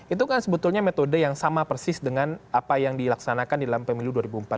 itu kan sebetulnya metode yang sama persis dengan apa yang dilaksanakan di dalam pemilu dua ribu empat belas